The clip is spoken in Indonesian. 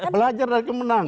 belajar dari kemenangan